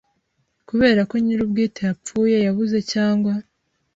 kubera ko nyir ubwite yapfuye yabuze cyangwa